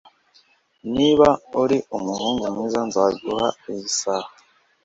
Niba uri umuhungu mwiza, nzaguha iyi saha.